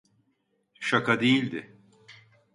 Şaka değildi.